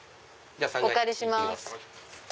お借りします。